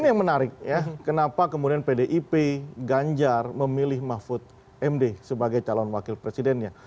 ini yang menarik ya kenapa kemudian pdip ganjar memilih mahfud md sebagai calon wakil presidennya